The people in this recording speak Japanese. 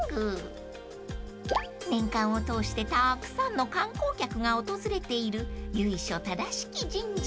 ［年間を通してたくさんの観光客が訪れている由緒正しき神社］